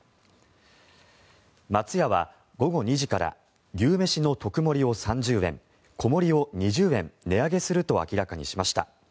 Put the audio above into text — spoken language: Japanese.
松屋は午後２時から牛めしの特盛を３０円小盛を２０円値上げすると明らかにしました。